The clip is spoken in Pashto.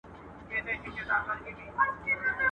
د الف لیله و لیله د کتاب د ریچارډ .